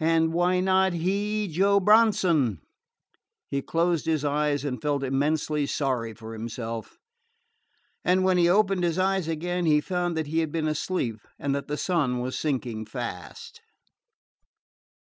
And why not he, Joe Bronson? He closed his eyes and felt immensely sorry for himself; and when he opened his eyes again he found that he had been asleep, and that the sun was sinking fast.